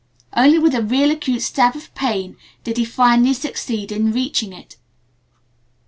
Only with a really acute stab of pain did he finally succeed in reaching it.